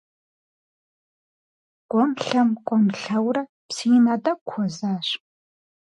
КӀуэм-лъэм, кӀуэм-лъэурэ, псы ина тӀэкӀу хуэзащ.